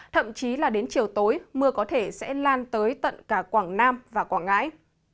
thậm chí là đến chiều tối mưa có thể sẽ lan tới tận cả quảng nam và quảng ngãi